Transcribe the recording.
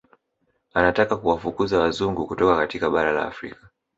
Anataka kuwafukuza Wazungu kutoka katika bara la Afrika